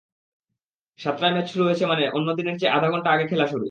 সাতটায় ম্যাচ শুরু হয়েছে মানে অন্য দিনের চেয়ে আধঘণ্টা আগে খেলা শুরু।